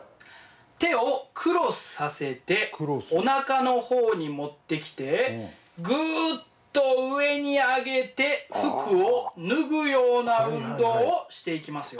手をクロスさせておなかの方に持ってきてぐっと上に上げて服を脱ぐような運動をしていきますよ。